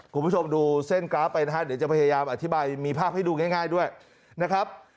คุณผู้ชมดูเส้นกราฟไปนะฮะเดี๋ยวจะพยายามอธิบายมีภาพให้ดูง่ายด้วยนะครับ